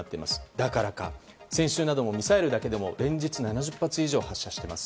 だからか、先週などもミサイルだけでも連日７０発以上発射しています。